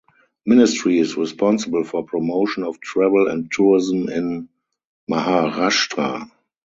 Ministry is responsible for promotion of travel and tourism in Maharashtra.